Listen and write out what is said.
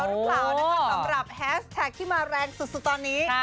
สำหรับแฮสแท็กที่มาแรงสุดตอนนี้